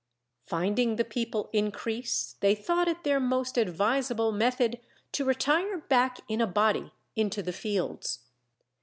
Finding the people increase they thought it their most advisable method to retire back in a body into the fields.